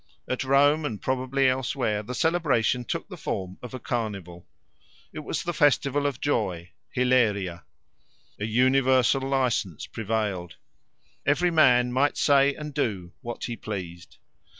At Rome, and probably elsewhere, the celebration took the form of a carnival. It was the Festival of Joy (Hilaria). A universal licence prevailed. Every man might say and do what he pleased.